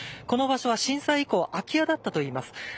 この場所は震災以降空き家だったといいます。